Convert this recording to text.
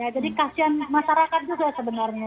jadi kasian masyarakat juga sebenarnya